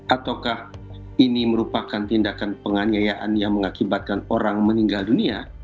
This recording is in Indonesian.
ataukah ini merupakan tindakan penganiayaan yang mengakibatkan orang meninggal dunia